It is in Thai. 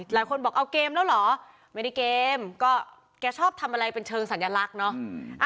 หลายคนบอกเอาเกมแล้วเหรอไม่ได้เกมก็แกชอบทำอะไรเป็นเชิงสัญลักษณ์เนาะ